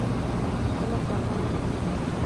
بله سودا نه لري.